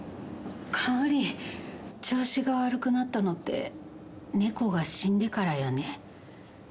香織調子が悪くなったのって猫が死んでからよね？